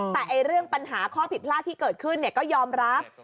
แต่เรื่องปัญหาข้อผิดพลาดที่เกิดขึ้นก็ยอมรับ